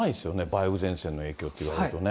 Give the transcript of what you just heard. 梅雨前線の影響っていわれるとね。